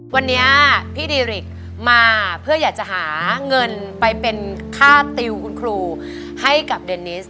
วันนี้พี่ดีริกมาเพื่ออยากจะหาเงินไปเป็นค่าติวคุณครูให้กับเดนิส